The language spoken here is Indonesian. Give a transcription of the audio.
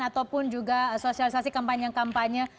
ataupun juga sosialisasi kampanye kampanye